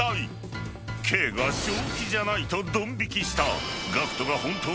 ［Ｋが正気じゃないとドン引きした］